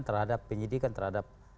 terhadap penyelidikan terhadap